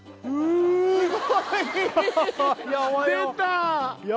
すごいよ出た！